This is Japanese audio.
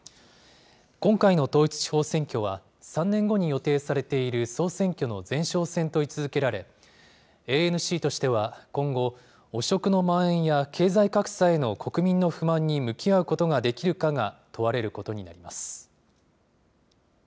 今回の統一地方選挙は、３年後に予定されている総選挙の前哨戦と位置づけられ、ＡＮＣとしては今後、汚職のまん延や経済格差への国民の不満に向き合うことができるかが問われることになります。